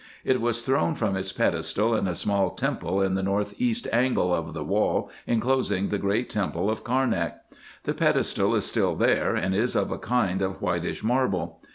It was thrown from its pedestal in a small temple in the north east angle of the wall inclosing the great temple of Carnak The pedestal is still there, and is of a kind of whitish marble.